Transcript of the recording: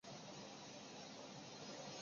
促进了民营科技企业的诞生和成长。